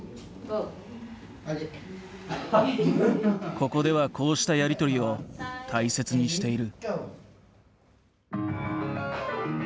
ここではこうしたやり取りを大切にしている。